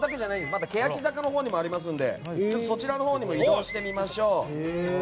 まだケヤキ坂のほうにもありますのでそちらのほうにも移動してみましょう。